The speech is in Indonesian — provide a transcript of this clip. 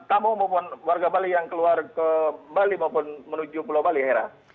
tamu maupun warga bali yang keluar ke bali maupun menuju pulau bali hera